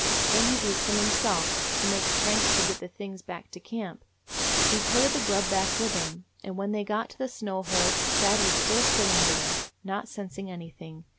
Then he ate some himself, to make strength to get the things back to camp. He toted the grub back with him, and when they got to the snow hole dad was still sitting there, not sensing anything.